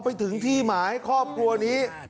ไปถึงที่หมายครอบครัวนี้